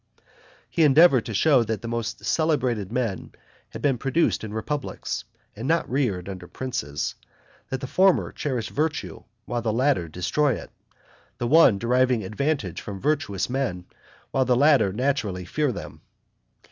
He endeavored to show that the most celebrated men had been produced in republics, and not reared under princes; that the former cherish virtue, while the latter destroy it; the one deriving advantage from virtuous men, while the latter naturally fear them.